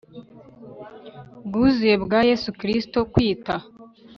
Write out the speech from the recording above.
bwuzuye bwa Yesu Kristo kwita